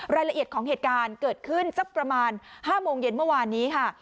รายละเอียดของเหตุการณ์เกิดขึ้นสักประมาณ๕โมงเย็นเมื่อวานนี้ค่ะ